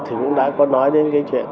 thì cũng đã có nói đến cái